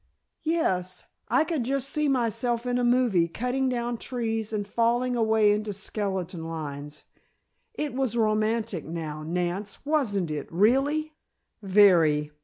"Yes; I could just see myself in a movie cutting down trees and falling away into skeleton lines. It was romantic now, Nance, wasn't it, really?" "Very.